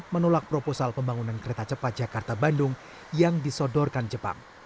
menolak proposal pembangunan kereta cepat jakarta bandung yang disodorkan jepang